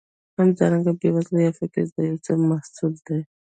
همدارنګه بېوزلي یا فقر د یو څه محصول دی.